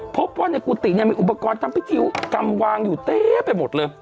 พบว่าในกุฏิเนี่ยมีอุปกรณ์ทำพิธีกรรมวางอยู่เต้ไปหมดเลย